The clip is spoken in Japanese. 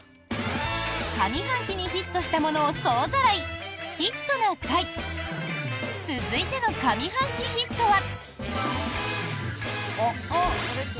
上半期にヒットしたものを総ざらい「ヒットな会」。続いての上半期ヒットは。